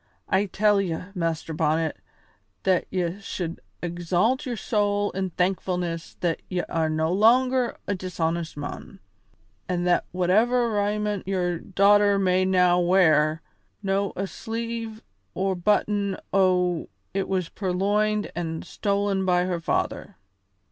I tell ye, Master Bonnet, that ye should exalt your soul in thankfulness that ye are no longer a dishonest mon, an' that whatever raiment your daughter may now wear, no' a sleeve or button o' it was purloined an' stolen by her father."